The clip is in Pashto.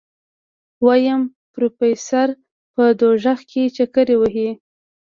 ويم پروفيسر په دوزخ کې چکرې وهي.